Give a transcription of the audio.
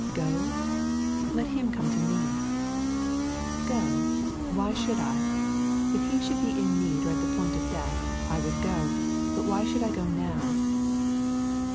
Go? Let faim come to me. Go ? Why should I ? If he should be in need or at the point of death, I would go, but why should I go now?